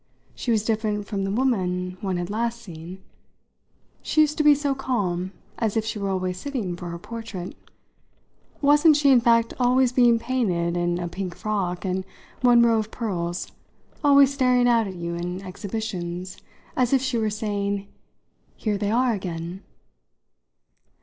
She was different from the woman one had last seen. She used to be so calm as if she were always sitting for her portrait. Wasn't she in fact always being painted in a pink frock and one row of pearls, always staring out at you in exhibitions, as if she were saying 'Here they are again'?